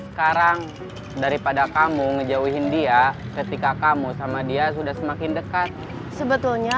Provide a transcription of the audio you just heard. sekarang daripada kamu ngejauhin dia ketika kamu sama dia sudah semakin dekat sebetulnya